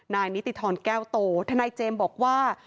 นิติธรแก้วโตทนายเจมส์บอกว่า